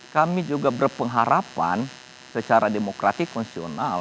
kami juga berpengharapan secara demokrasi konstitusional